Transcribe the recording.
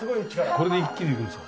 これで一気にいけるんですか？